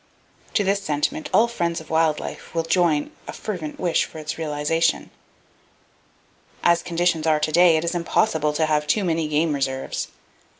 To this sentiment all friends of wild life will join a fervent wish for its realization. As conditions are to day, it is impossible to have too many game reserves!